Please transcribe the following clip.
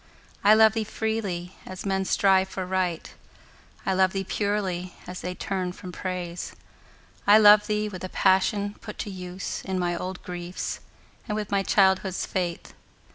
I love thee freely, as men strive for Right; I love thee purely, as they turn from Praise. I love thee with the passion put to use In my old griefs, and with my childhood's faith.